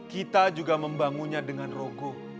kita juga membangunnya dengan rogoh